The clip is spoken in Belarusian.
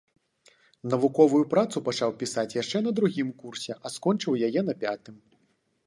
Навуковую працу пачаў пісаць яшчэ на другім курсе, а скончыў яе на пятым.